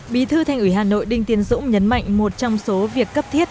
bí thư thành ủy hà nội đinh tiến dũng nhấn mạnh một trong số việc cấp thiết